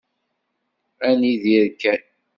Ad nidir kan.